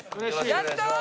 やったー！